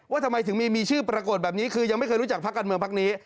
ทำไมถึงมีชื่อปรากฏแบบนี้คือยังไม่เคยรู้จักพักการเมืองพักนี้